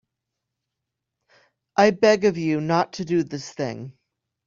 I beg of you not to do this thing.